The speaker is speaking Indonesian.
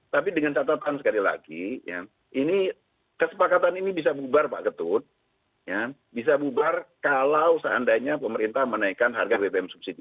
tapi dengan catatan sekali lagi ini kesepakatan ini bisa bubar pak ketut bisa bubar kalau seandainya pemerintah menaikkan harga bbm subsidi